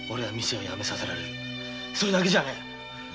それだけじゃねえ！